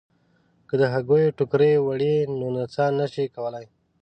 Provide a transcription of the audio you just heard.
که د هګیو ټوکرۍ وړئ نو نڅا نه شئ کولای.